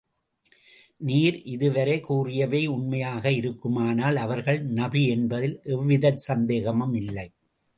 நீர் இதுவரை கூறியவை உண்மையாக இருக்குமானால், அவர்கள் நபி என்பதில் எவ்விதச் சந்தேகமும் இல்லை.